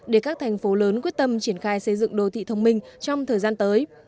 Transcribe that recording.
để các thành phố lớn quyết tâm triển khai xây dựng đô thị thông minh trong thời gian tới